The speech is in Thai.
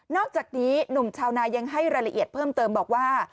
อกจากนี้หนุ่มชาวนายังให้รายละเอียดเพิ่มเติมบอกว่า